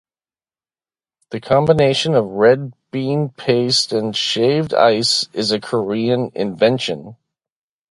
The combination of red bean paste and shaved ice is a Korean invention.